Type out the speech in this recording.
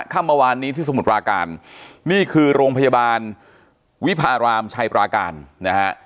ค่ำเมื่อวานนี้ที่สมุทรปราการนี่คือโรงพยาบาลวิพารามชัยปราการนะฮะ